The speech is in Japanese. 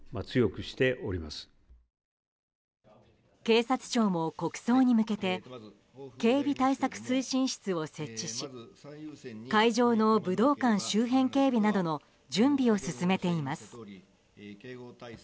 警察庁も国葬に向けて警備対策推進室を設置し会場の武道館周辺警備などの準備を進めています。